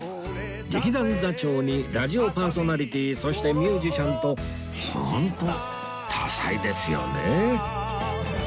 劇団座長にラジオパーソナリティーそしてミュージシャンとホント多才ですよね